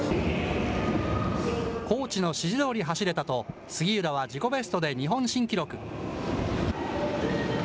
コーチの指示どおり走れたと、杉浦は自己ベストで日本新記録。